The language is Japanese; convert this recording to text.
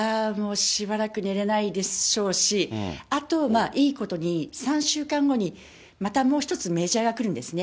しばらく寝れないでしょうし、あといいことに、３週間後にまたもう一つメジャーが来るんですね。